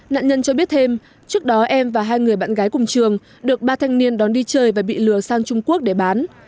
nạn nhân cho biết thêm trước đó em và hai người bạn gái cùng trường được ba thanh niên đón đi chơi và bị lừa sang trung quốc để bán